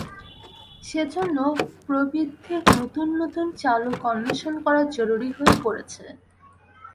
সে জন্য প্রবৃদ্ধির নতুন নতুন চালক অন্বেষণ করা জরুরি হয়ে পড়েছে।